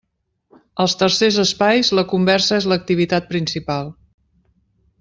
Als tercers espais la conversa és l'activitat principal.